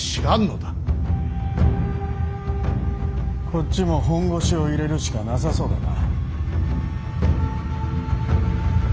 こっちも本腰を入れるしかなさそうだな。